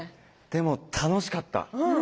でも楽しかった。